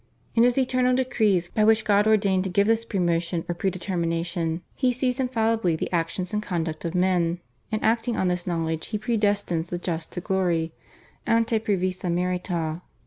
In His eternal decrees by which God ordained to give this premotion or predetermination He sees infallibly the actions and conduct of men, and acting on this knowledge He predestines the just to glory /ante praevisa merita